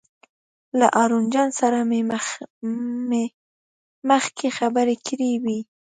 له هارون جان سره مې مخکې خبرې کړې وې.